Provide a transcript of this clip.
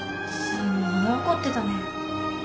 すんごい怒ってたね。